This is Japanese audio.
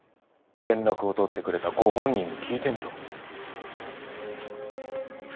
連絡を取ってくれたご本人に聞いてみろ。